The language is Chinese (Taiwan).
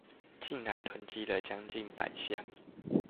竟然囤積了將近百箱